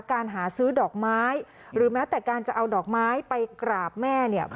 การหาซื้อดอกไม้หรือแม้แต่การจะเอาดอกไม้ไปกราบแม่เนี่ย